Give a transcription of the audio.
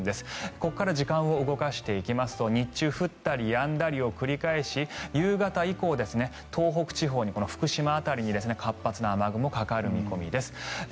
ここから時間を動かしていきますと日中降ったりやんだりを繰り返し夕方以降にこの福島辺りに活発な雨雲がかかる見込みです。